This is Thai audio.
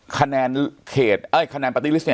คะแนนเครดเอ้ยคะแนนปาร์ตี้ลิสต์เนี่ย